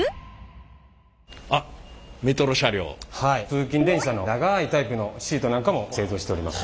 通勤電車の長いタイプのシートなんかも製造しております。